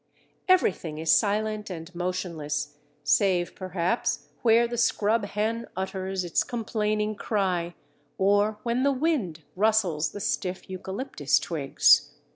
Everything is silent and motionless save perhaps where the scrub hen utters its complaining cry, or when the wind rustles the stiff eucalyptus twigs."